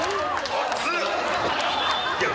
熱っ。